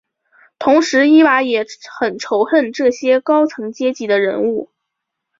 同时伊娃也很仇恨这些高层阶级的人物。